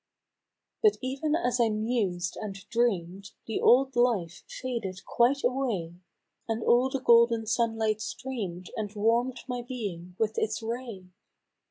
" But even as I mused and dream'd The old life faded quite away, And all the golden sunlight streamed And warm'd my being with its ray